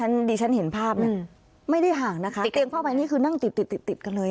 เท่าที่ดิฉันเห็นภาพเนี่ยไม่ได้ห่างนะคะเตียงห้าใบนี้คือนั่งติดกันเลย